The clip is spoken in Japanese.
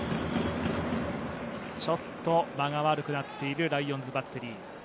ちょっと間が悪くなっているライオンズバッテリー。